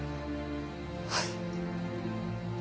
はい。